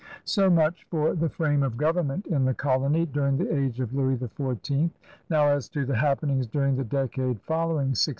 So much for the frame of government in the col ony during the age of Louis XTV. Now as to the happenings during the decade following 1663.